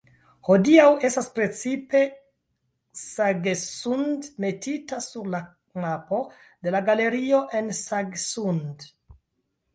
Hodiaŭ estas precipe Sagesund metita sur la mapo de la galerio en Sagesund.